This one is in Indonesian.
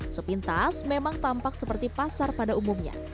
sepintas memang tampak seperti pasar pada umumnya